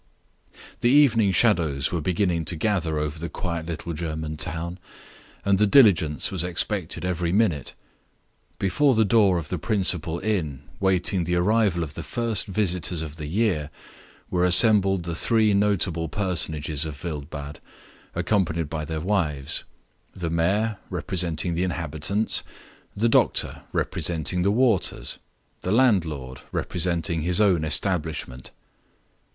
The evening shadows were beginning to gather over the quiet little German town, and the diligence was expected every minute. Before the door of the principal inn, waiting the arrival of the first visitors of the year, were assembled the three notable personages of Wildbad, accompanied by their wives the mayor, representing the inhabitants; the doctor, representing the waters; the landlord, representing his own establishment.